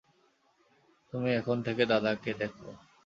তুমি এখন থেকে দাদাকে দেখো।